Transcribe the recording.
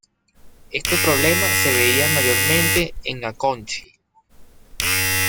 Este problema se veía mayormente en Aconchi.